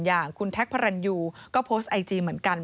อย่างคุณแท็กพระรันยูก็โพสต์ไอจีเหมือนกัน